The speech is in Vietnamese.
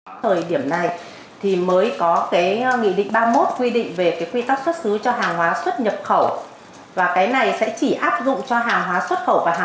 một sản phẩm có tới chín mươi tám là linh kiện trung quốc